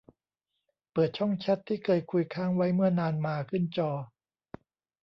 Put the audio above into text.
เปิดช่องแชตที่เคยคุยค้างไว้เมื่อนานมาขึ้นจอ